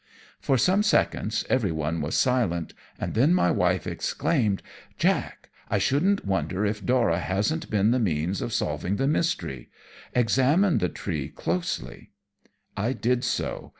For some seconds everyone was silent, and then my wife exclaimed: "Jack, I shouldn't wonder if Dora hasn't been the means of solving the mystery. Examine the tree closely." I did so.